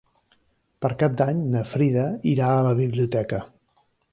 Per Cap d'Any na Frida irà a la biblioteca.